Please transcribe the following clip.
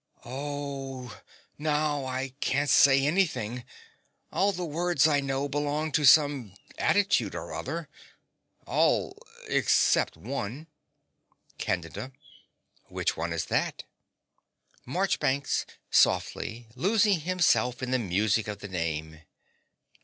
Oh, now I can't say anything: all the words I know belong to some attitude or other all except one. CANDIDA. What one is that? MARCHBANKS (softly, losing himself in the music of the name).